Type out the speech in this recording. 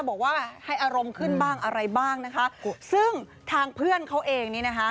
บอกว่าให้อารมณ์ขึ้นบ้างอะไรบ้างนะคะซึ่งทางเพื่อนเขาเองนี่นะคะ